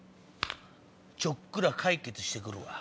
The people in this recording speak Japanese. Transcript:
ちょっくら解決して来るわ。